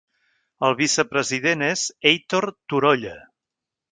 El vicepresident és Heitor Turolla.